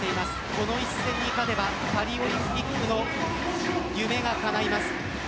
この一戦に勝てばパリオリンピックの夢がかないます。